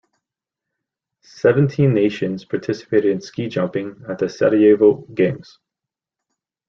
Seventeen nations participated in ski jumping at the Sarajevo Games.